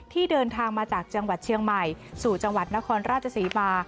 เดินทางมาจากจังหวัดเชียงใหม่สู่จังหวัดนครราชศรีมา